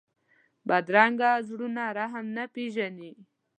بدرنګه زړونه رحم نه پېژني